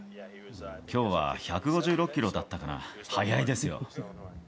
きょうは１５６キロだったかな、速いですよ。